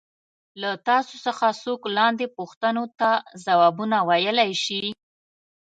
له تاسو څخه څوک لاندې پوښتنو ته ځوابونه ویلای شي.